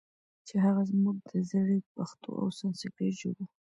چې هغه موږ د زړې پښتو او سانسکریت ژبو